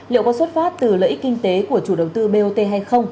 liệu có xuất phát từ lợi ích kinh tế của chủ đầu tư bot hay không